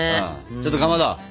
ちょっとかまど。